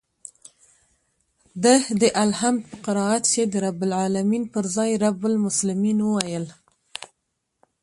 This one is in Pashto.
ده د الحمد په قرائت کښې د رب العلمين پر ځاى رب المسلمين وويل.